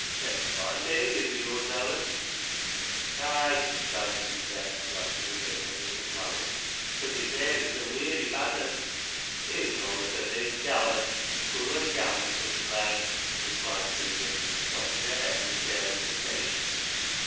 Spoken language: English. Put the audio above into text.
Them's foine dahlias o' yo'rs, Ellen." "Ay," sighed Mrs. Ben, glancing indifferently at the flowers ;" bud the}' sa\' as he's a weary bad un." " He's nobbut a bit gallus, full o' gam an' sich loike," replied Susy, tossing her head with careless impatience.